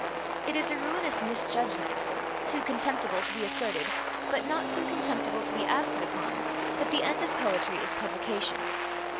It is a ruinous misjudgment too contemptible to be asserted, but not too contemptible to be acted upon, that the end of poetry is publication.